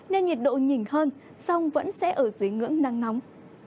nên nhiệt độ nhìn hơn song vẫn sẽ ở dưới ngưỡng nắng nóng